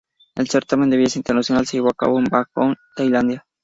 El certamen de belleza internacional se llevó a cabo en Bangkok, Tailandia.